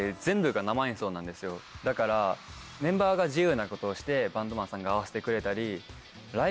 だからメンバーが自由なことをしてバンドマンさんが合わせてくれたり。